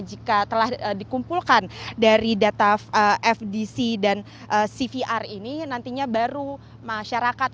jika telah dikumpulkan dari data fdc dan cvr ini nantinya baru masyarakat